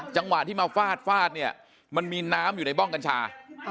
จังหวะที่มาฟาดฟาดเนี่ยมันมีน้ำอยู่ในบ้องกัญชา